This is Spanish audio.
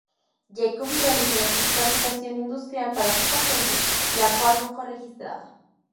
Jacobi realizó una típica aplicación industrial para su patente, la cual no fue registrada.